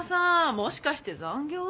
もしかして残業？